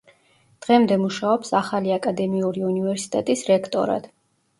დღემდე მუშაობს ახალი აკადემიური უნივერსიტეტის რექტორად.